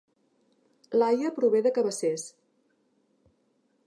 Laia prové de Cabacés